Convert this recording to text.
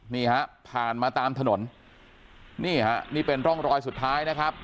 นี่ฮะผ่านมาตามถนนนี่ฮะนี่เป็นร่องรอยสุดท้ายนะครับ